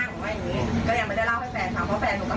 มันบอกว่าไม่เป็นไรพี่เดี๋ยวผมขึ้นแล้วไปเองกว่า